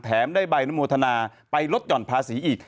ได้ใบอนุโมทนาไปลดหย่อนภาษีอีก